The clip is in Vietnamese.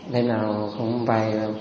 đêm nào cũng về